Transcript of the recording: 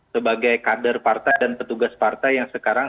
sebagai kader partai dan petugas partai yang sekarang